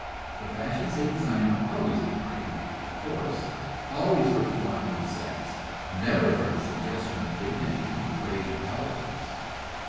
The fashions they design are always depraved, of course; always for the flaunting of sex, never for the suggestion of dignity and grave intelligence.